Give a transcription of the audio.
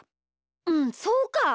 うんそうか！